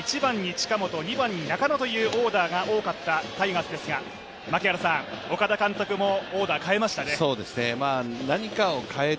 今シーズンは１番に近本、２番に前川というオーダーが多かったタイガースですが、岡田監督もオーダー変えましたね。